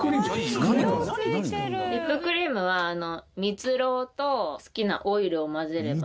リップクリームは蜜ろうと好きなオイルを混ぜれば。